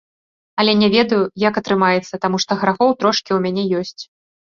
Але не ведаю, як атрымаецца, таму што грахоў трошкі ў мяне ёсць.